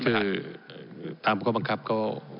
ก็คือตามข้อบังคับก็